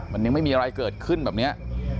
มันยังไม่มีอะไรเกิดขึ้นแบบนี้